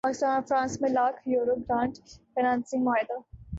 پاکستان اور فرانس میں lakh euro grant financing معاہدہ